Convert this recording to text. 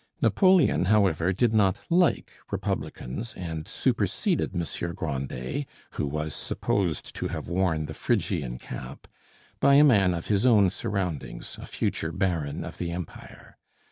Napoleon, however, did not like republicans, and superseded Monsieur Grandet (who was supposed to have worn the Phrygian cap) by a man of his own surroundings, a future baron of the Empire.